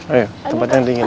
ayo tempat yang dingin ya